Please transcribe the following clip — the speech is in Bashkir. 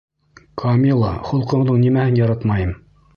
Камила, холҡоңдоң нимәһен яратмайым?